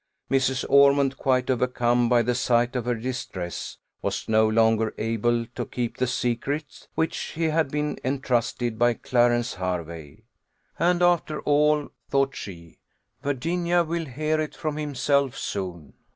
Mrs. Ormond, quite overcome by the sight of her distress, was no longer able to keep the secret with which she had been entrusted by Clarence Hervey. And after all, thought she, Virginia will hear it from himself soon.